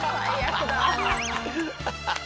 アハハハ！